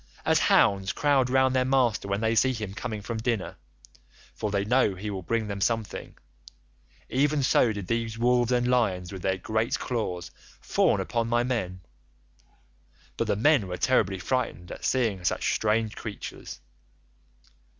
86 As hounds crowd round their master when they see him coming from dinner—for they know he will bring them something—even so did these wolves and lions with their great claws fawn upon my men, but the men were terribly frightened at seeing such strange creatures.